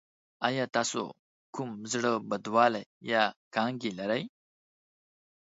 ایا تاسو کوم زړه بدوالی یا کانګې لرئ؟